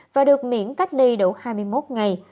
và được miễn cách ly đủ hai mươi một ngày